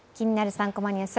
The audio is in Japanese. ３コマニュース」